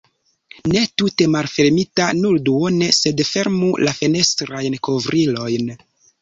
Ne tute malfermita, nur duone, sed fermu la fenestrajn kovrilojn.